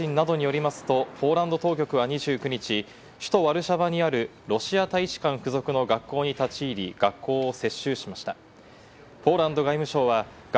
ロイター通信などによりますと、ポーランド当局は２９日、首都ワルシャワにあるロシア大使館付属の学校に立ち入り、学校を接収しました。